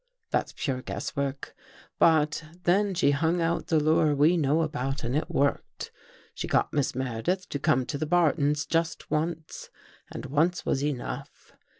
" That's pure guesswork. But then she hung 243 THE GHOST GIRL out the lure we know about and it worked. She got Miss Meredith to come to the Bartons just once and once was enough.